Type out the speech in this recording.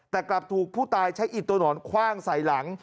ถูกผู้ตายใช้อิดตัวหนอนคว่างใส่หลัง